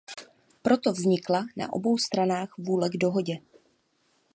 Proto vznikla na obou stranách vůle k dohodě.